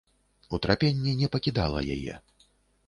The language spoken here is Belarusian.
Утрапенне не пакідала яе.